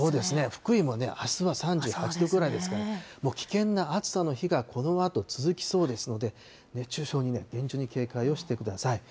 福井もあすは３８度ぐらいですから、危険な暑さの日がこのあと続きそうですので、熱中症にね、厳重に警戒をしてください。